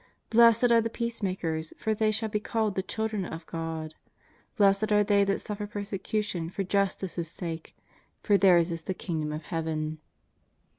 ^' Blessed are the peacemakers, for they shall be called the children of God, " Blessed are they that suffer persecution for jus tice' sake, for theirs is the kingdom of Heaven.''